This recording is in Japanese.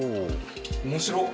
面白っ。